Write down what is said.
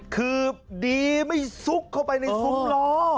คือดีไม่ซุกเข้าไปในซุ้มล้อ